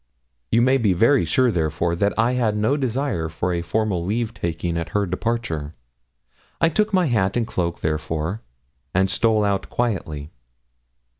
You may be very sure, therefore, that I had no desire for a formal leave taking at her departure. I took my hat and cloak, therefore, and stole out quietly.